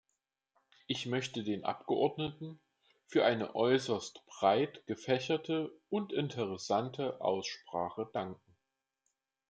Ich möchte den Abgeordneten für eine äußerst breit gefächerte und interessante Aussprache danken.